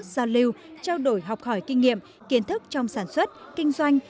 giao lưu trao đổi học hỏi kinh nghiệm kiến thức trong sản xuất kinh doanh